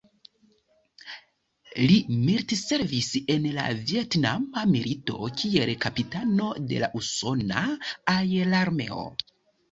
Li militservis en la Vjetnama milito kiel kapitano de la usona aerarmeo.